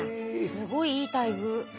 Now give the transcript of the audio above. すごいいい待遇。